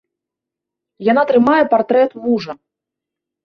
Яна трымае партрэт мужа.